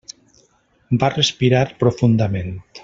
Va respirar profundament.